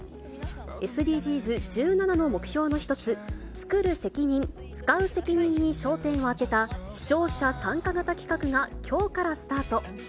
ＳＤＧｓ１７の目標の一つ、つくる責任つかう責任に焦点を当てた視聴者参加型企画が、きょうからスタート。